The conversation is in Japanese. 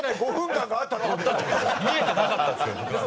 見えてなかったんです僕ら。